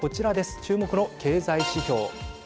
注目の経済指標。